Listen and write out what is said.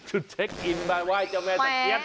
เช็คอินมาไหว้เจ้าแม่ตะเคียน